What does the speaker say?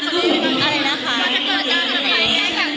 คือแบบเป็นการขัดแย้ง